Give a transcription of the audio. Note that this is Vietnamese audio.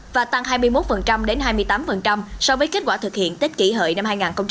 và tăng hai mươi một đến hai mươi tám so với kết quả thực hiện tết kỷ hợi năm hai nghìn một mươi chín